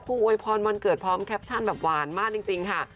อวยพรวันเกิดพร้อมแคปชั่นแบบหวานมากจริงค่ะ